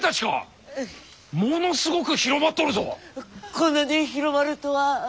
こんなに広まるとは。